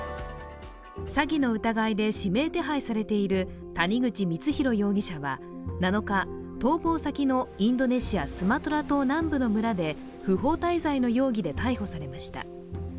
詐欺の疑いで指名手配されている谷口光弘容疑者は７日逃亡先のインドネシア・スマトラ島南部の村で不法滞在の容疑で逮捕されました。